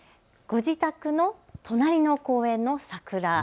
ご自宅の隣の公園の桜。